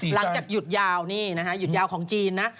หลังจากหยุดยาวนี่นะฮะหยุดยาวของจีนนะ